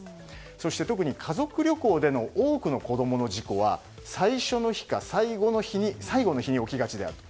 そして特に家族旅行での多くの子供の事故は最初の日か最後の日に起きがちであると。